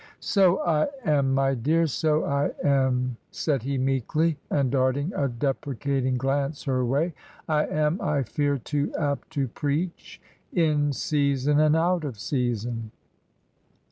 " So I am, my dear, so I am," said he meekly, and darting a deprecating glance her way. "I am, I fear, too apt to preach — in season and out of season."